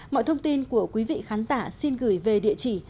mọi thông tin của quý vị khán giả xin gửi về địa chỉ